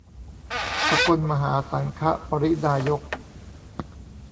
สกลมหาสังฆปริณายก